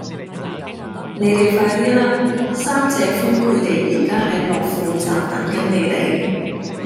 你哋快啲啦!三姐夫佢哋而家喺樂富站等緊你哋